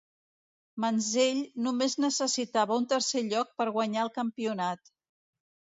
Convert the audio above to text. Mansell només necessitava un tercer lloc per guanyar el campionat.